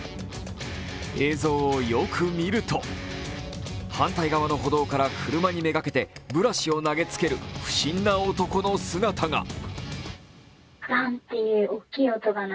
映像をよく見ると、反対側の歩道から車に目がけてブラシを投げつける不審な男の姿が。